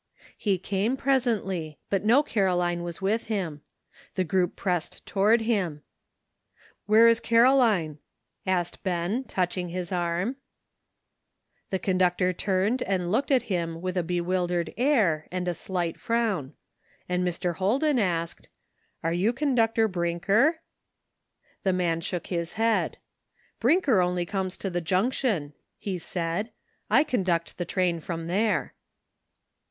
He came presently, but no Caroline was with him. The group pressed toward him. " Where is Caroline?" asked Ben, touching his arm. The conductor turned and looked at him with a bewildered air and a slight frown. And Mr. Holden asked, "Are you Conductor Brinker?" The man shook his head. "Brinker only comes to the Junction," he 130 WAITING. said ;" I conduct the train from there."